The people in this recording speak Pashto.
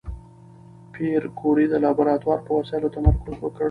پېیر کوري د لابراتوار په وسایلو تمرکز وکړ.